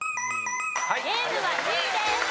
ゲームは２位です。